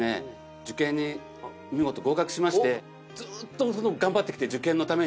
受験に見事合格しましてずっと頑張ってきて受験のために。